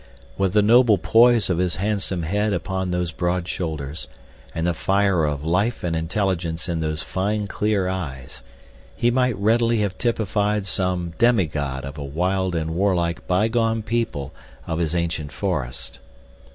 With the noble poise of his handsome head upon those broad shoulders, and the fire of life and intelligence in those fine, clear eyes, he might readily have typified some demigod of a wild and warlike bygone people of his ancient forest.